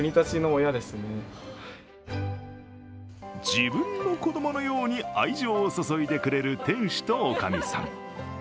自分の子供のように愛情を注いでくれる店主と女将さん。